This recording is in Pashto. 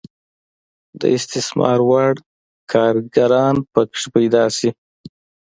د استثمار وړ کارګران پکې پیدا شي.